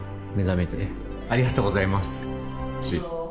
ありがとうございます。